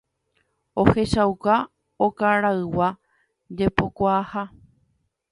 ohechauka okaraygua jepokuaaha